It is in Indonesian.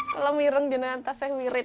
kalau mirip jika di atas mirip